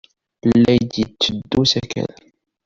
La d-yetteddu usakal.